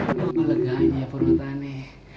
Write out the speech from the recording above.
ah apa leganya purwotani